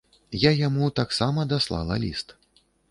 Я яму таксама даслала ліст.